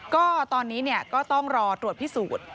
ก็ตอนนี้ก็ต้องรอตรวจพิสูจน์